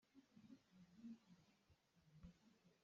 A rengh caah mi nih an zawmhteih tawn.